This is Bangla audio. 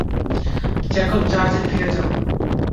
জ্যাকব, জাহাজে ফিরে যাও।